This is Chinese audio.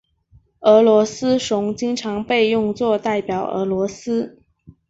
俄罗斯熊经常被用作代表俄罗斯。